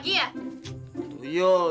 jangan lupa bu